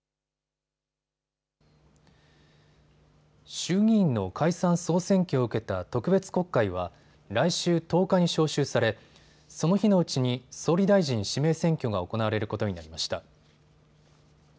衆議院の解散・総選挙を受けた特別国会は来週１０日に召集されその日のうちに総理大臣指名選挙が行われることになりました。